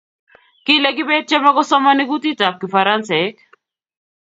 kile kibet chome kosomani kutitab kifaransaik